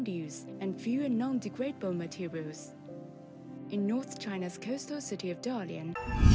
điều này không chỉ có lợi cho gìn giữ môi trường mà còn khuyến khích trân trọng và bảo vệ đất đai nhiều hơn